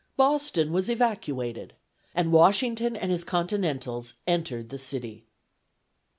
Boston was evacuated, and Washington and his Continentals entered the city.